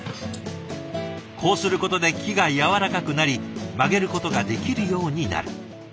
こうすることで木が軟らかくなり曲げることができるようになる。